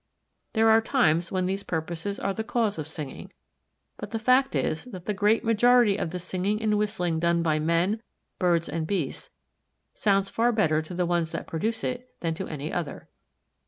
There are times when these purposes are the cause of singing, but the fact is that the great majority of the singing and whistling done by men, birds, and beasts sounds far better to the ones that produce it than to any other.